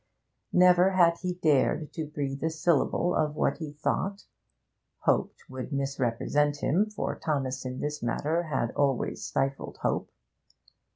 Never had he dared to breathe a syllable of what he thought 'hoped' would misrepresent him, for Thomas in this matter had always stifled hope.